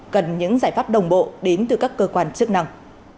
cần những giải pháp đồng bộ đến từ các cơ quan chức năng